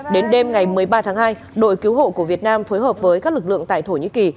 đến đêm ngày một mươi ba tháng hai đội cứu hộ của việt nam phối hợp với các lực lượng tại thổ nhĩ kỳ